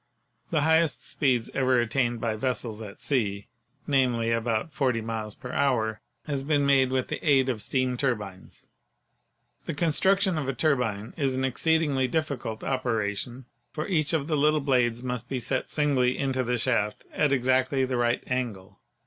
The highest speeds ever attained by vessels at sea — namely, about forty miles per hour — has been made with the aid of steam turbines. The construction of a turbine is an exceedingly difficult operation, for each of the little blades must be set singly into the shaft at exactly the right angle.